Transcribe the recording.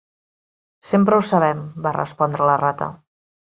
"Sempre ho sabem", va respondre la rata.